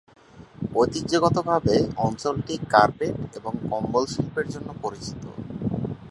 ঐতিহ্যগতভাবে অঞ্চলটি কার্পেট এবং কম্বল শিল্পের জন্য পরিচিত।